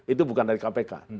itu bukan dari kpk